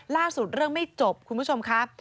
ล่าสุดเรื่องไม่จบคุณผู้ชมครับ